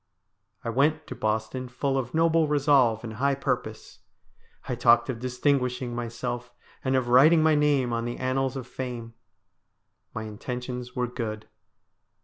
I went to Boston full of noble resolve and high purpose. I talked of distinguishing myself, and of writing my name on the annals of fame. My intentions were good.